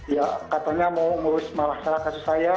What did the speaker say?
ya katanya mau ngurus malah salah kasus saya